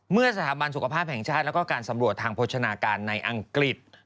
เมื่อสถาบันสุขภาพแห่งชาติแล้วก็การสำรวจทางโภชนาการในอังกฤษ